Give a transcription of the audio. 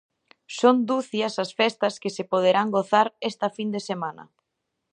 Son ducias as festas que se poderán gozar esta fin de semana.